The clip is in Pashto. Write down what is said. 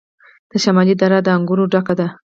د شمالی دره د انګورو ډکه ده.